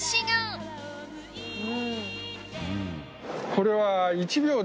これは。